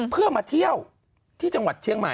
เพื่อมาเที่ยวที่จังหวัดเชียงใหม่